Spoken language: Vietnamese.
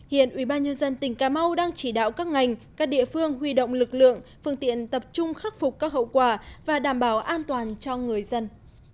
hiện ubnd tỉnh cà mau đang chỉ đạo các ngành các địa phương huy động lực lượng phương tiện tập trung khắc phục các hậu quả và đảm bảo an toàn cho người dân